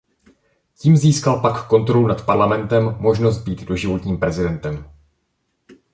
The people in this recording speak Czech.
Tím získal Pak kontrolu nad parlamentem možnost být doživotním prezidentem.